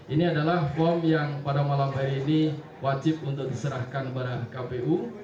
ini adalah form yang pada malam hari ini wajib untuk diserahkan kepada kpu